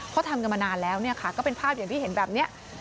เขาทำกันมานานแล้วเนี่ยค่ะก็เป็นภาพอย่างที่เห็นแบบนี้